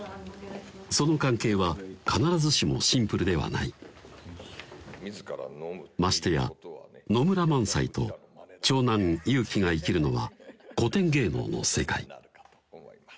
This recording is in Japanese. その関係は必ずしもシンプルではないましてや野村萬斎と長男・裕基が生きるのは古典芸能の世界